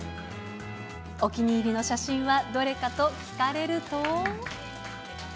お気に入りの写真はどれかと聞かれると。